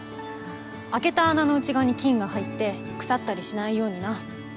開けた穴の内側に菌が入って腐ったりしないようにな。